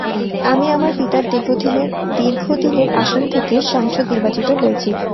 আমি আমার পিতার দীর্ঘদিনের আসন থেকে সাংসদ নির্বাচিত হয়েছি।